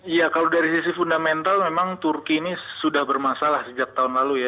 iya kalau dari sisi fundamental memang turki ini sudah bermasalah sejak tahun lalu ya